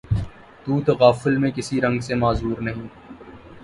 تو تغافل میں کسی رنگ سے معذور نہیں